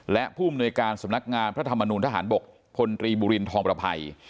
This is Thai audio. และผู้อำนวยการสำนักงานพระธรรมนูลทหารบกพลตรีบุรินทองประภัย